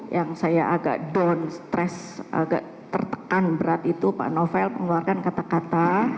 yang saya agak down stress agak tertekan berat itu pak novel mengeluarkan kata kata